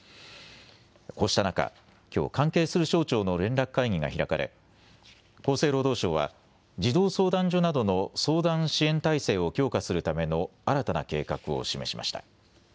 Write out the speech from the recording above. こうした中、きょう関係する省庁の連絡会議が開かれ厚生労働省は児童相談所などの相談支援体制を強化するための新たな計画を示しました。